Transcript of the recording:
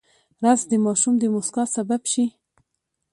رس د ماشوم د موسکا سبب شي